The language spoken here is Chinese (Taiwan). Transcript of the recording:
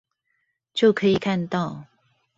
就可以看到